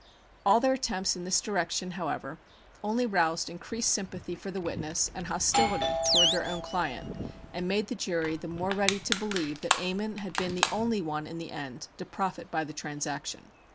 All their attempts in this direction, however, only roused increased sympathy for the witness and hostility toward their own client, and made the jury the more ready to believe that Ammon had been the only one in the end to profit by the transaction.